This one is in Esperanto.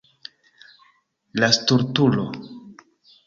La stultulo.